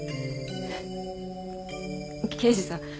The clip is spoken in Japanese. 刑事さん